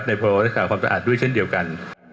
ในพรรความสะอาดด้วยเช่นเดียวกัน